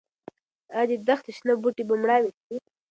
ايا د دښتې شنه بوټي به مړاوي شي؟